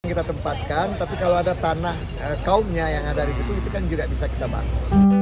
kita tempatkan tapi kalau ada tanah kaumnya yang ada di situ itu kan juga bisa kita bangun